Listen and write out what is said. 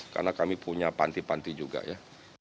karena kami punya panti panti juga ya